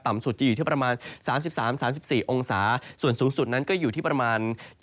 สุดจะอยู่ที่ประมาณ๓๓๔องศาส่วนสูงสุดนั้นก็อยู่ที่ประมาณ